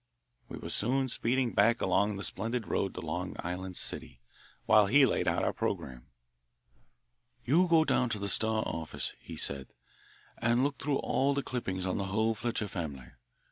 We were soon speeding back along the splendid road to Long Island City, while he laid out our programme. "You go down to the Star office," he said, "and look through all the clippings on the whole Fletcher family.